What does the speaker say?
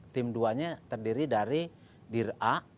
tim dua nya terdiri dari dir a